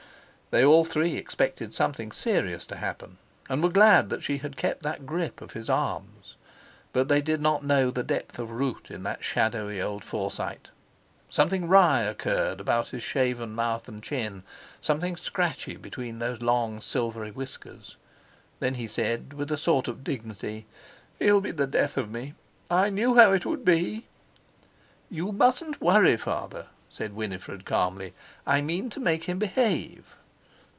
They all three expected something serious to happen, and were glad she had kept that grip of his arms, but they did not know the depth of root in that shadowy old Forsyte. Something wry occurred about his shaven mouth and chin, something scratchy between those long silvery whiskers. Then he said with a sort of dignity: "He'll be the death of me. I knew how it would be." "You mustn't worry, Father," said Winifred calmly. "I mean to make him behave."